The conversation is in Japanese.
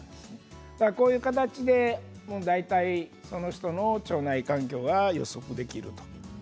こういう形で大体その人の腸内環境が予測できます。